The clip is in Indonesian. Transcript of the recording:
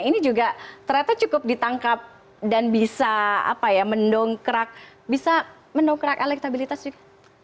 ini juga ternyata cukup ditangkap dan bisa mendongkrak bisa mendongkrak elektabilitas juga